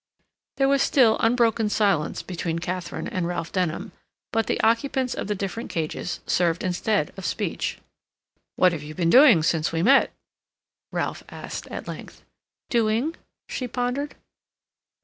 There was still unbroken silence between Katharine and Ralph Denham, but the occupants of the different cages served instead of speech. "What have you been doing since we met?" Ralph asked at length. "Doing?" she pondered.